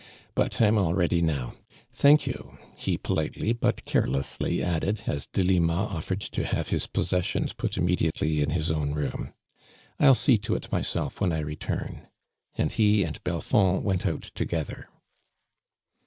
But I am all ready now. Thank you I" ha politely but carelessly added, as Delima offered to have his possessions put immediately in his own room ;" I'll see to it myself when I return," and he and Belfond went out together.